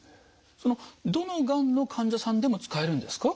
そのどのがんの患者さんでも使えるんですか？